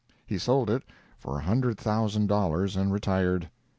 He sold it for a hundred thousand dollars and retired.